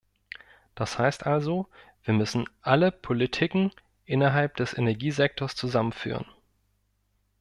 Das heißt also, wir müssen alle Politiken innerhalb des Energiesektors zusammenführen.